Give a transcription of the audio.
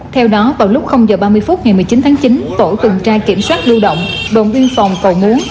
theo đó vào lúc h ba mươi phút ngày một mươi chín tháng chín tổ tuần tra kiểm soát lưu động đồn biên phòng cầu muốn